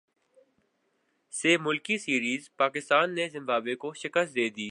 سہ ملکی سیریزپاکستان نے زمبابوے کو شکست دیدی